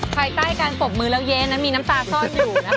ใครใกล้การฝบมือแล้วเย้นมีน้ำตาซ่อนอยู่นะคะ